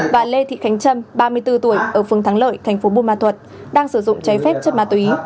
và lê thị khánh trâm ba mươi bốn tuổi ở phường thắng lợi thành phố bù ma thuật đang sử dụng cháy phép chất ma túy